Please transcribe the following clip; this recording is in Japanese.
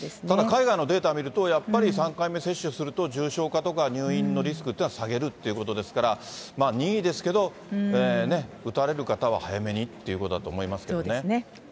ただ、海外のデータ見ると、やっぱり３回目接種すると、重症化とか入院のリスクっていうのは下げるってことですから、任意ですけど、打たれる方は早めにということだと思いますけどね。